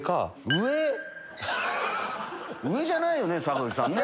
上⁉上じゃないよね坂口さんね。